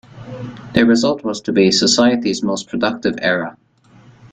The result was to be the society's most productive era.